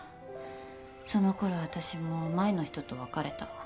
その頃私も前の人と別れた。